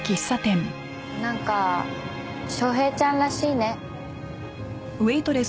なんか昌平ちゃんらしいね。